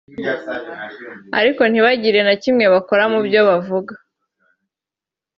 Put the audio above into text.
ariko ntibagire na kimwe bakora mu byo bavuga